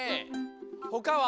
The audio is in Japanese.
ほかは？